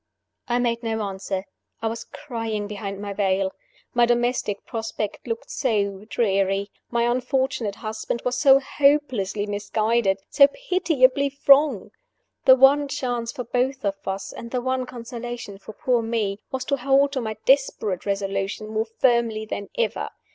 I made no answer I was crying behind my veil. My domestic prospect looked so dreary! my unfortunate husband was so hopelessly misguided, so pitiably wrong! The one chance for both of us, and the one consolation for poor Me, was to hold to my desperate resolution more firmly than ever.